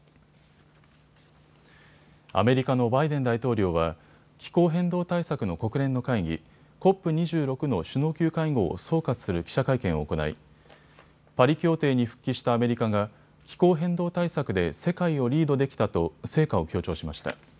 アメリカのバイデン大統領は気候変動対策の国連の会議、ＣＯＰ２６の首脳級会合を総括する記者会見を行い、パリ協定に復帰したアメリカが気候変動対策で世界をリードできたと成果を強調しました。